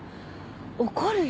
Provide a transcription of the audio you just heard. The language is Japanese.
怒るよ。